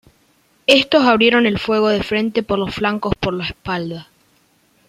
Estos abrieron el fuego de frente, por los flancos, por la espalda.